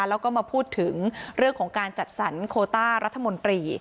แล้วก็มาพูดถึงเรื่องของการจัดสรรโคต้ารัฐมนตรี